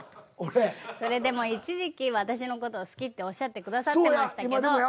それでも一時期私の事好きっておっしゃってくださってましたけど